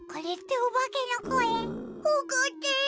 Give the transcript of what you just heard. おこってる。